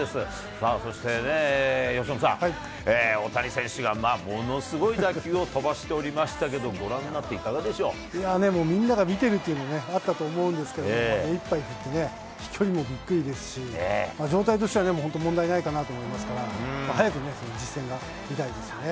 さあ、そして由伸さん、大谷選手がものすごい打球を飛ばしておりましたけど、ご覧になっみんなが見てるっていうのもあったと思うんですけど、目いっぱい振ってね、飛距離もびっくりですし、状態としては本当、問題ないかなと思いますから、早く実戦が見たいですよね。